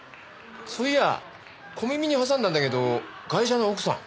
そういや小耳に挟んだんだけどガイシャの奥さん。